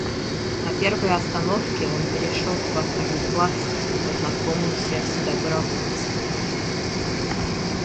На первой остановке он перешел во второй класс и познакомился с добровольцами.